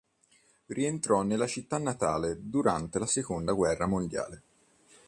Rientrò nella città natale durante la seconda guerra mondiale.